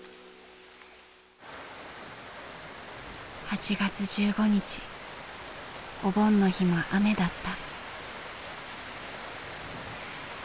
８月１５日お盆の日も雨だった。